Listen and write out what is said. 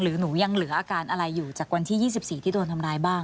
หนูยังเหลืออาการอะไรอยู่จากวันที่๒๔ที่โดนทำร้ายบ้าง